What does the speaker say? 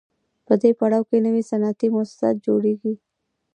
په دې پړاو کې نوي صنعتي موسسات جوړېږي